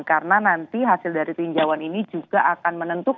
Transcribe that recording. karena nanti hasil dari tinjauan ini juga akan menentukan